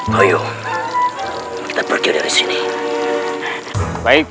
kita pergi dari sini baik